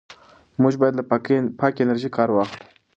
موږ باید له پاکې انرژۍ کار واخلو.